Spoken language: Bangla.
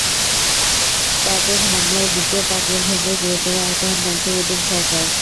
তাদের হামলায় বুকের পাঁজর ভেঙে গুরুতর আহত হন নাসির উদ্দিন সরকার।